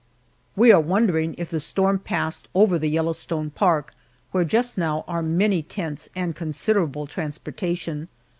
We are wondering if the storm passed over the Yellowstone Park, where just now are many tents and considerable transportation.